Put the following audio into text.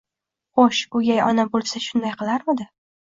Xo'sh, o'gay ona bo'lsa, shunday qilarmidi?